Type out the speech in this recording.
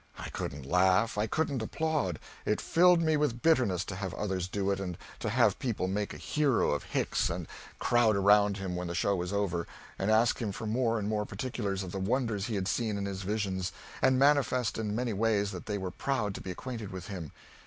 I couldn't laugh, I couldn't applaud; it filled me with bitterness to have others do it, and to have people make a hero of Hicks, and crowd around him when the show was over, and ask him for more and more particulars of the wonders he had seen in his visions, and manifest in many ways that they were proud to be acquainted with him.